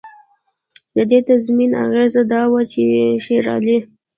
د دې تضمین اغېزه دا وه چې شېرعلي.